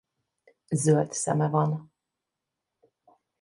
Zöld szeme van.